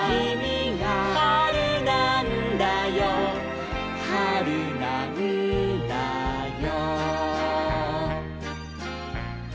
「はるなんだよはるなんだよ」